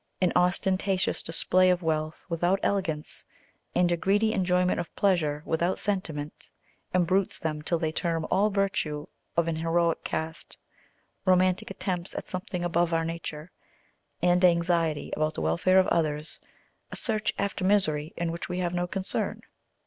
An ostentatious display of wealth without elegance, and a greedy enjoyment of pleasure without sentiment, embrutes them till they term all virtue of an heroic cast, romantic attempts at something above our nature, and anxiety about the welfare of others, a search after misery in which we have no concern.